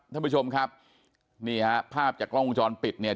ท่านผู้ชมครับนี่ฮะภาพจากกล้องวงจรปิดเนี่ย